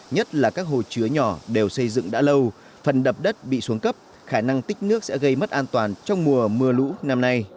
nhất là các hồ chứa nhỏ đều xây dựng đã lâu phần đập đất bị xuống cấp khả năng tích nước sẽ gây mất an toàn trong mùa mưa lũ năm nay